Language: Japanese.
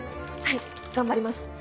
はい頑張ります！